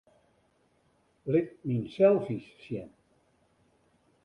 Lit myn selfies sjen.